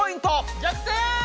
逆転！